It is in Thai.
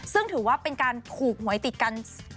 ซึ่งถือว่าเป็นการถูกหวยติดกัน